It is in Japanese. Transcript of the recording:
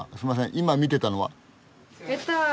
いま見てたのは？